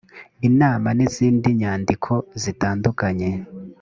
inama n izindi nyandiko zitandukanye